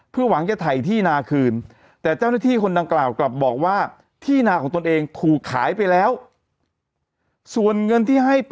เพื่อหวังจะถ่ายที่นาคืน